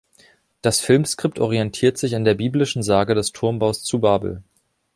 Das Filmskript orientiert sich an der biblischen Sage des Turmbaus zu Babel.